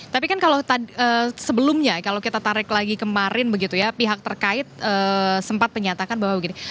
tapi kan kalau sebelumnya kalau kita tarik lagi kemarin begitu ya pihak terkait sempat menyatakan bahwa begini